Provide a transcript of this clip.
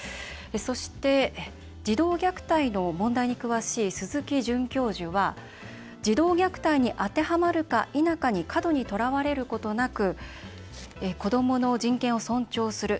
そして、児童虐待の問題に詳しい鈴木准教授は児童虐待に当てはまるか否かに過度にとらわれることなく子どもの人権を尊重する。